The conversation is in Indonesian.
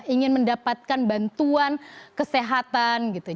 ingin mendapatkan bantuan kesehatan gitu